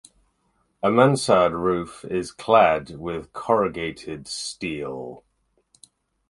A mansard roof is clad with corrugated steel.